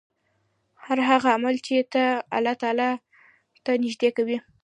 هر هغه عمل چې تا الله تعالی ته نژدې کوي